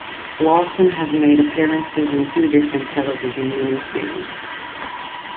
Lawson has made appearances in two different television miniseries.